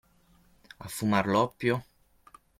A fumar l'oppio?